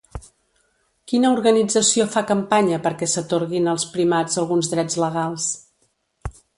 Quina organització fa campanya perquè s'atorguin als primats alguns drets legals?